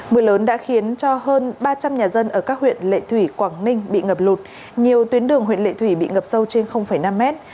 mưa lớn đã khiến cho hơn ba trăm linh nhà dân ở các huyện lệ thủy quảng ninh bị ngập lụt nhiều tuyến đường huyện lệ thủy bị ngập sâu trên năm mét